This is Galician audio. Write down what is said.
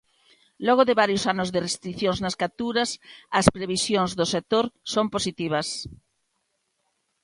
Logo de varios anos de restricións nas capturas, as previsións do sector son positivas.